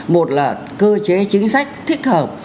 một là cơ chế chính sách thích hợp